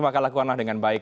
maka lakukanlah dengan baik